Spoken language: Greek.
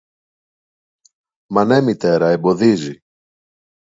Μα ναι, Μητέρα, εμποδίζει!